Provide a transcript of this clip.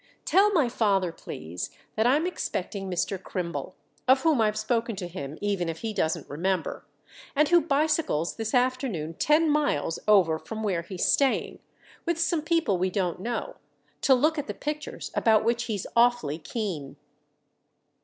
"Tell my father, please, that I'm expecting Mr. Crimble; of whom I've spoken to him even if he doesn't remember, and who bicycles this afternoon ten miles over from where he's staying—with some people we don't know—to look at the pictures, about which he's awfully keen."